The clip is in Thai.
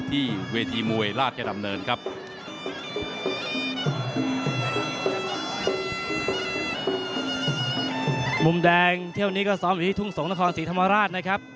ที่เวทีมวยราชดำเนินครับ